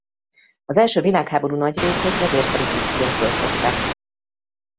Az első világháború nagy részét vezérkari tisztként töltötte.